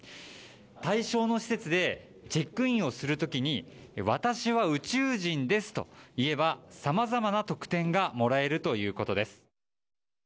対象の施設でチェックインをする時に私は宇宙人ですと言えばさまざまな特典がもらえるということです。